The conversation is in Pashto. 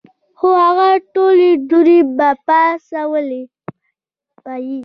خو هغه ټولې دوړې به ئې پاڅولې ـ